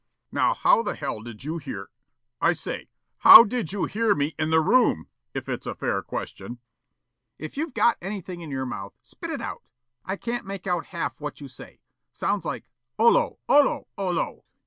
"Now, how the hell did you hear I say, HOW DID YOU HEAR ME IN THE ROOM, if it's a fair question?" "If you've got anything in your mouth, spit it out. I can't make out half what you say. Sounds like 'ollo ollo ollo'!"